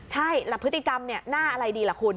ใช่แล้วพฤติกรรมหน้าอะไรดีล่ะคุณ